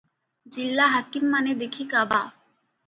ଜିଲ୍ଲା ହାକିମମାନେ ଦେଖି କାବା ।